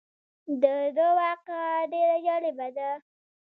دده واقعه ډېره جالبه ده.